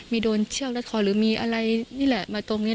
มีโดนเชือกรัดคอหรือมีอะไรนี่แหละมาตรงนี้